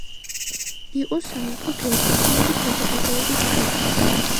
იყო სამეფო გეოგრაფიული საზოგადოების წევრი.